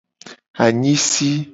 Anyisi.